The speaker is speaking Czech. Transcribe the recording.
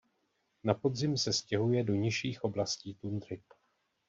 Na podzim se stěhuje do nižších oblastí tundry.